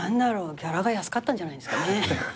ギャラが安かったんじゃないですかね。